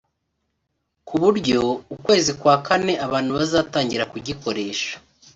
kuburyo ukwezi kwa kane abantu bazatangira kugikoresha